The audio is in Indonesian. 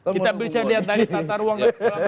kita bisa lihat dari kantar ruang